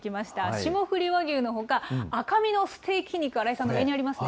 霜降り和牛のほか、赤身のステーキ肉、新井さんの上にありますね。